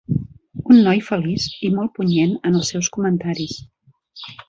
Un noi feliç i molt punyent en els seus comentaris.